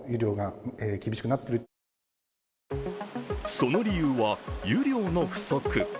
その理由は、湯量の不足。